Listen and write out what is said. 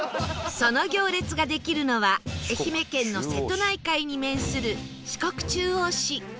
その行列ができるのは愛媛県の瀬戸内海に面する四国中央市